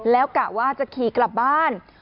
แล้วกะว่าจะขี่กลับบ้าน